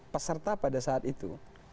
peserta pada saat itu